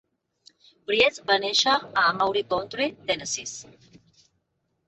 Priest va néixer a Maury County, Tennessee.